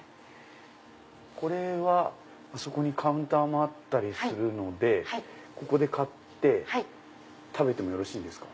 これはあそこにカウンターもあったりするので買って食べてもよろしいですか？